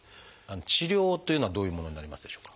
治療というのはどういうものになりますでしょうか？